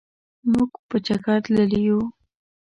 مونږ په چکرتللي وو.